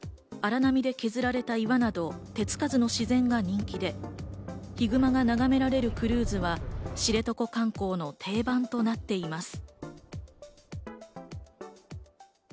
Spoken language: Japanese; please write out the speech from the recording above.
迫力ある滝や、荒波で削られた岩など、手付かずの自然が人気で、ヒグマが眺められるクルーズは知床観光の定番となっています。